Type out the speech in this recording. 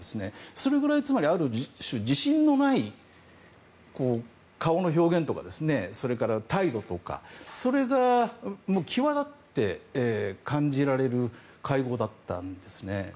それぐらい、つまり、ある種自信のない顔の表現とかそれから態度とかそれが際立って感じられる会合だったんですね。